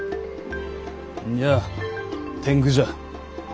んにゃ天狗じゃ。